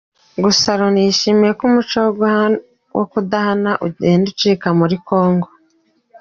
Gusa Loni yishimira ko umuco wo kudahana ugenda ucika muri Congo.